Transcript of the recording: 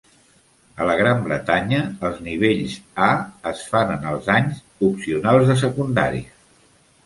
A la Gran Bretanya, els nivells A es fan en el els anys opcionals de secundària